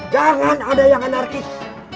jangan ada yang anarkis